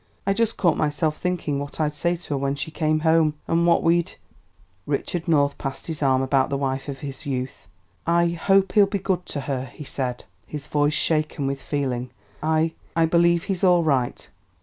"I just caught myself thinking what I'd say to her when she came home, and what we'd " Richard North passed his arm about the wife of his youth. "I hope he'll be good to her," he said, his voice shaken with feeling. "I I believe he's all right.